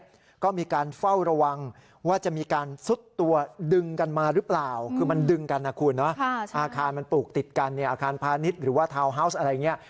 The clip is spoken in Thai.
อาคารพาณิชย์หรือว่าทาวน์ฮาวส์อะไรอย่างนี้